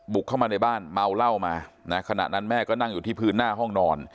เข้ามาในบ้านเมาเหล้ามานะขณะนั้นแม่ก็นั่งอยู่ที่พื้นหน้าห้องนอน